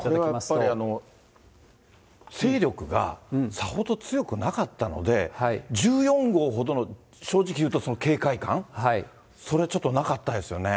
これはやっぱり、勢力がさほど強くなかったので、１４号ほどの正直いうと、その、警戒感、それ、ちょっとなかったですよね。